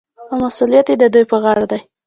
او مسوولیت یې د دوی په غاړه دی.